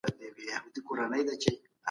سم نیت بریالیتوب نه ځنډوي.